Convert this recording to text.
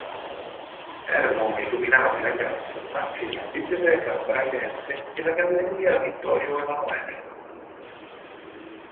Erano illuminate a gas anche la Biblioteca Braidense e la Galleria Vittorio Emanuele.